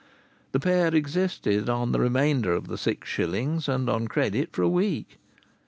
The pair existed on the remainder of the six shillings and on credit for a week.